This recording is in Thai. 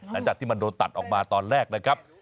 หลังจากที่มันโดนตัดออกมาตอนแรกนะครับ